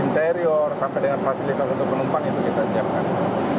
interior sampai dengan fasilitas untuk penumpang itu kita siapkan